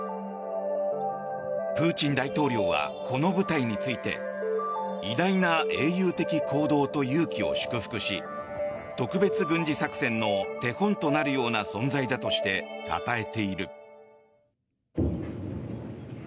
プーチン大統領はこの部隊について偉大な英雄的行動と勇気を祝福し特別軍事作戦の手本となるような存在だとして、たたえている。